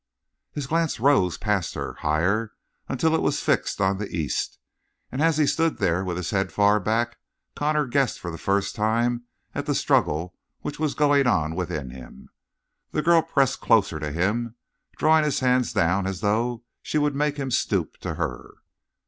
His glance rose past her, higher, until it was fixed on the east, and as he stood there with his head far back Connor guessed for the first time at the struggle which was going on within him. The girl pressed closer to him, drawing his hands down as though she would make him stoop to her.